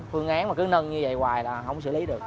phương án mà cứ nâng như vậy ngoài là không xử lý được